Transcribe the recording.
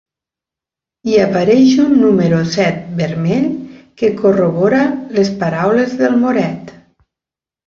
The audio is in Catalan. Hi apareix un número set vermell que corrobora les paraules del moret.